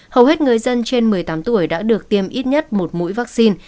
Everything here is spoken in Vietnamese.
hầu hết người dân trên một mươi tám tuổi đã được tiêm ít nhất một mũi vaccine